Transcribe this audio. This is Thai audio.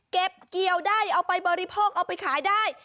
เก็บเกี่ยวได้เอาไปบริโภคเอาไปขายได้